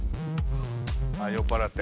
「酔っ払って」